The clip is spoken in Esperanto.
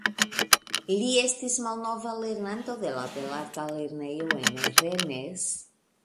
Li estis malnova lernanto de la belarta lernejo en Rennes.